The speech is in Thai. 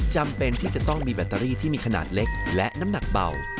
จำเป็นที่จะต้องมีแบตเตอรี่ที่มีขนาดเล็กและน้ำหนักเบา